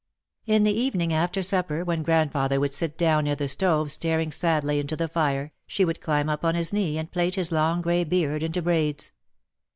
In the evening, after supper, when grandfather would sit down near the stove staring sadly into the fire, she would climb up on his knee and plait his long grey beard into braids.